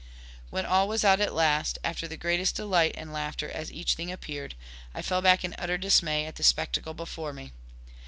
When all was out at last, after the greatest delight and laughter as each thing appeared, I fell back in utter dismay at the spectacle before me.